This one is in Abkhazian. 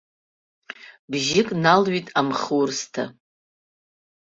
Бжьык налҩит амхурсҭа.